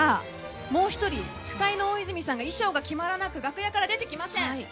もう１人、司会の大泉さんがまだ衣装が決まらなくて出てきません！